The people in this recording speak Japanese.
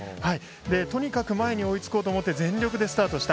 とにかく前に追いつこうと思って全力でスタートした。